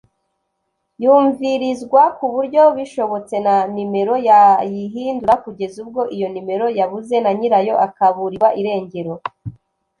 yumvirizwa ku buryo bishobotse na numero yayihindura kugeza ubwo iyo numero yabuze na nyirayo akaburirwa irengero